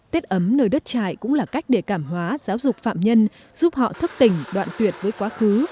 tết ấm nơi đất trại cũng là cách để cảm hóa giáo dục phạm nhân giúp họ thức tỉnh đoạn tuyệt với quá khứ